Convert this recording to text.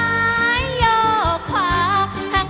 ก็จะมีความสุขมากกว่าทุกคนค่ะ